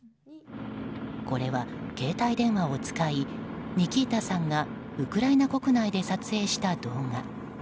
これは、携帯電話を使いニキータさんがウクライナ国内で撮影した動画。